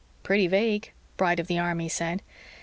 "Pretty vague," Bright of the Army said.